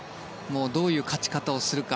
どういう勝ち方をするか。